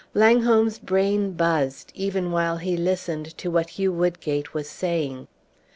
Langholm's brain buzzed, even while he listened to what Hugh Woodgate was saying.